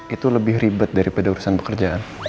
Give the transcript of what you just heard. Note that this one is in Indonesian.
itu lebih ribet daripada urusan pekerjaan